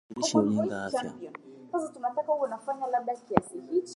Utupaji usiofaa wa vijusi vilivyoharibika na tando za vijusi hivyo